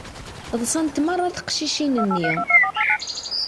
Ḍsant meṛṛa teqcicin-nni.